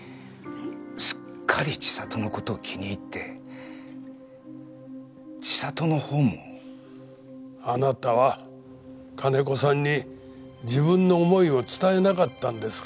すっかり千里の事を気に入って千里のほうも。あなたは金子さんに自分の思いを伝えなかったんですか？